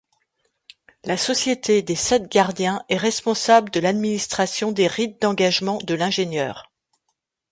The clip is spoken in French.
La Société des Sept Gardiens est responsable de l'administration des rites d'engagement de l'ingénieur.